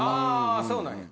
あそうなんや。